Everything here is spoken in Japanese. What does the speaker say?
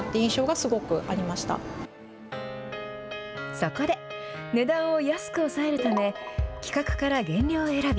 そこで値段を安く抑えるため企画から原料選び